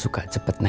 suka cepet naik darah